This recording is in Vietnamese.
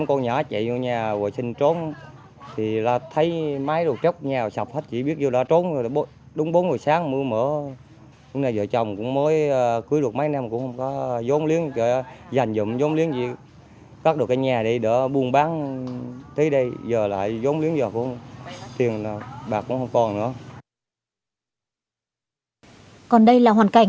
còn đây là hoàn cảnh của em nguyễn văn ti thôn hòa hội